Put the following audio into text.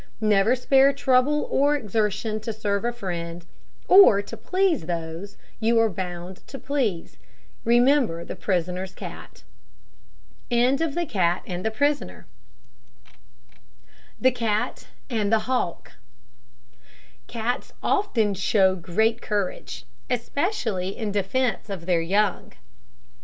Never spare trouble or exertion to serve a friend, or to please those you are bound to please. Remember the prisoner's cat. THE CAT AND THE HAWK. Cats often show great courage, especially in defence of their young.